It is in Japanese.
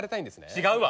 違うわ！